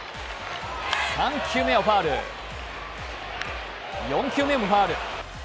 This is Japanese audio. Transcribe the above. ３球目はファウル、４球目もファウル。